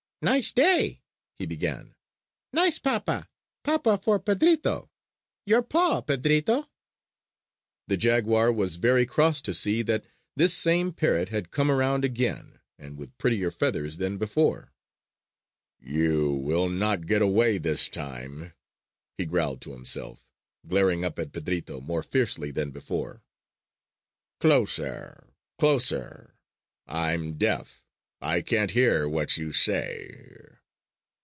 "Nice day!" he began. "Nice papa! Papa for Pedrito! Your paw, Pedrito!" The jaguar was very cross to see that this same parrot had come around again and with prettier feathers than before. "You will not get away this time!" he growled to himself, glaring up at Pedrito more fiercely than before. "Closer! Closer! I'm deaf! I can't hear what you say!"